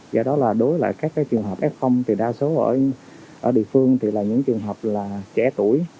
do đó là đối với các trường hợp f thì đa số ở địa phương thì là những trường hợp là trẻ tuổi